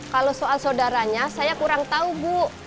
kalau soal saudaranya saya kurang tahu bu